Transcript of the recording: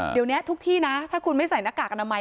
เดี๋ยวนี้ทุกที่นะถ้าคุณไม่ใส่หน้ากากอนามัย